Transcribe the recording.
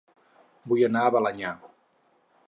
Vull anar a Balenyà